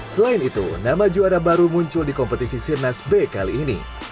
selain itu nama juara baru muncul di kompetisi sirnas b kali ini